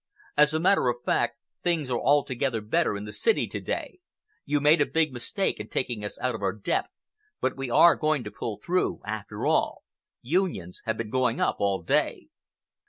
As a matter of fact, things are altogether better in the city to day. You made a big mistake in taking us out of our depth, but we are going to pull through, after all. 'Unions' have been going up all day."